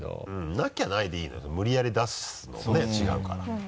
なきゃないでいいのよ無理やり出すのもね違うから。